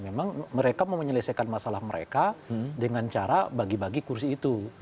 memang mereka mau menyelesaikan masalah mereka dengan cara bagi bagi kursi itu